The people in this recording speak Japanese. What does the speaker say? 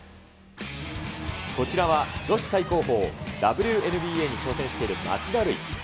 こちらは女子最高峰、ＷＮＢＡに挑戦している町田瑠唯。